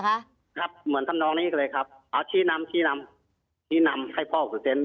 ครับเหมือนท่านน้องนี้ก็เลยครับอะที่นำที่นำที่นำให้พ่อฝังเซ็น